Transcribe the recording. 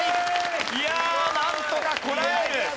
いやあなんとかこらえる！